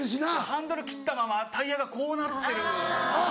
ハンドル切ったままタイヤがこうなってる。